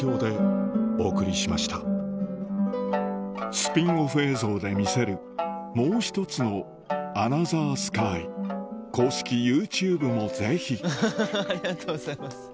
スピンオフ映像で見せるもう一つの『アナザースカイ』公式ＹｏｕＴｕｂｅもぜひハハハありがとうございます。